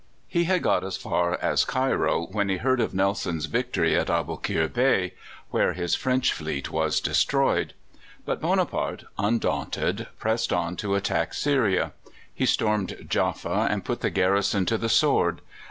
He had got as far as Cairo when he heard of Nelson's victory in Aboukir Bay, where his French fleet was destroyed. But Bonaparte, undaunted, pressed on to attack Syria. He stormed Jaffa, and put the garrison to the sword.